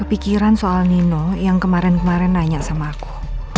pikiran soal nino yang kemarin kemarin nanya sama aku